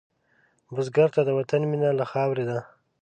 بزګر ته د وطن مینه له خاورې ده